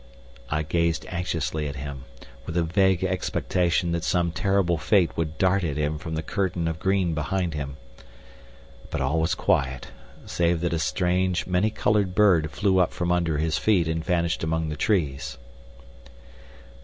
I gazed anxiously at him, with a vague expectation that some terrible fate would dart at him from the curtain of green behind him. But all was quiet, save that a strange, many colored bird flew up from under his feet and vanished among the trees.